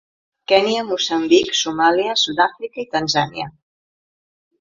Kenya, Moçambic, Somàlia, Sud-àfrica i Tanzània.